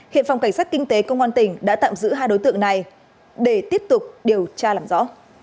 hiện phòng cảnh sát kinh tế công an tỉnh đã tạm giữ hai đối tượng này để tiếp tục điều tra làm rõ